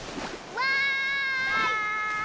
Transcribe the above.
わい！